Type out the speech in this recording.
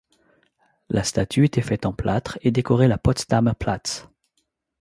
La statue était faite en plâtre et décorait la Potsdamer Platz.